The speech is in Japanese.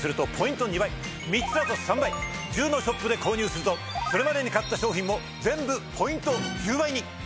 １０のショップで購入するとそれまでに買った商品も全部ポイント１０倍に！